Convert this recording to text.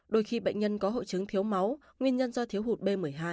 đôi khi bệnh nhân có hội chứng thiếu máu nguyên nhân do thiếu hụt b một mươi hai